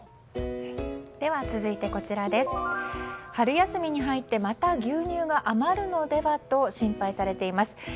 では、続いて春休みに入ってまた牛乳が余るのではと心配されています。